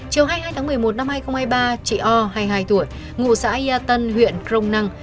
chiều hai mươi hai tháng một mươi một năm hai nghìn hai mươi ba chị o hai mươi hai tuổi ngụ xã yà tân huyện crong năng